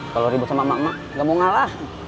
kalau ribet sama emak emak nggak mau ngalah